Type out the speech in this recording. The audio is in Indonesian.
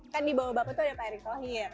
kan di bawah bapak tuh ada pak erick thohir